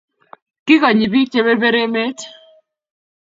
Kikonyi bik che berber emet